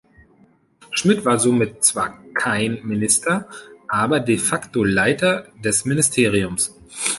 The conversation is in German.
Schmid war somit zwar kein Minister, aber de facto Leiter des Ministeriums.